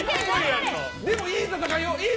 でも、いい戦いよ！